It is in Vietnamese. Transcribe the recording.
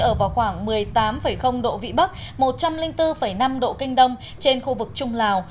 ở vào khoảng một mươi tám độ vĩ bắc một trăm linh bốn năm độ kinh đông trên khu vực trung lào